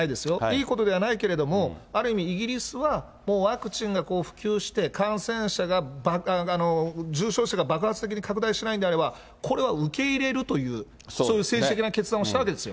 いいことではないけれども、ある意味、イギリスはもうワクチンが普及して感染者が、重症者が爆発的に拡大しないんであれば、これは受け入れるという、そういう政治的な決断をしたわけですよ。